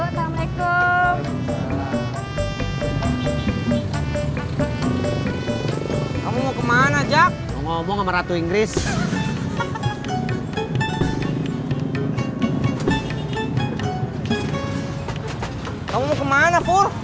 tak apa akabarin saya ya